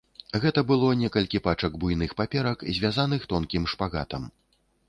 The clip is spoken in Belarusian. Гэта было некалькі пачак буйных паперак, звязаных тонкім шпагатам.